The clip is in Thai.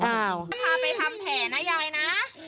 พาไปทำแผลนะยายนะ